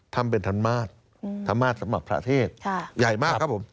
ทำเป็นธรรมาศธรรมาศสำหรับพระเทศใหญ่มากครับผม